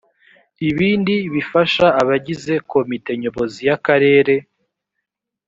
ibindi bifasha abagize komite nyobozi y akarere